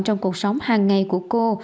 trong cuộc sống hàng ngày của cô